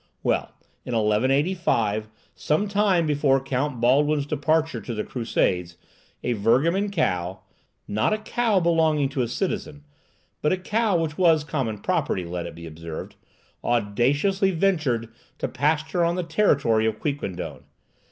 Well, in 1185, some time before Count Baldwin's departure to the Crusades, a Virgamen cow—not a cow belonging to a citizen, but a cow which was common property, let it be observed—audaciously ventured to pasture on the territory of Quiquendone.